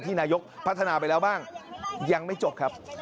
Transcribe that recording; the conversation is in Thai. นายกพัฒนาไปแล้วบ้างยังไม่จบครับ